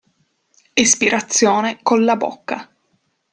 Espirazione colla bocca.